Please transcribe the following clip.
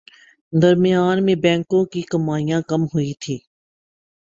درمیان میں بینکوں کی کمائیاں کم ہوئیں تھیں